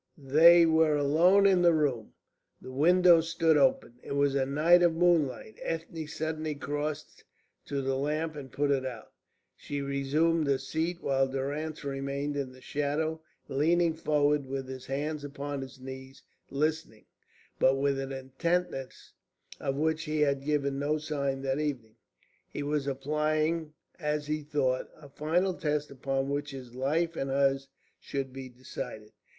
They were alone in the room; the windows stood open; it was a night of moonlight. Ethne suddenly crossed to the lamp and put it out. She resumed her seat, while Durrance remained in the shadow, leaning forward, with his hands upon his knees, listening but with an intentness of which he had given no sign that evening. He was applying, as he thought, a final test upon which his life and hers should be decided.